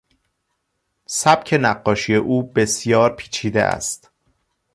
سبک نقاشی او بسیار پیچیده است.